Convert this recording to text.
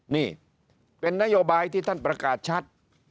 นี่เป็นนโยบายที่ท่านประกาศชัด